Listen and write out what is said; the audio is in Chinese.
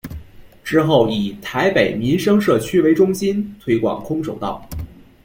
之后以台北民生社区为中心推广空手道。